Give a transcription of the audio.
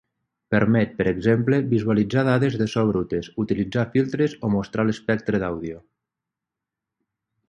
Permet, per exemple, visualitzar dades de so brutes, utilitzar filtres o mostrar l'espectre d'àudio.